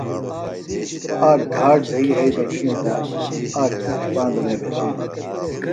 آک گھاٹ زھئی یھی دڇھین تہ آک اِنڇ پاندہ وے بھیشیۡ ہِنوۡ